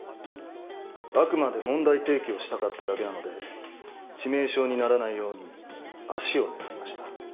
あくまで問題提起をしたかっただけなので致命傷にならないように足を狙いました。